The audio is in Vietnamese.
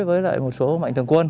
với một số mạnh thường quân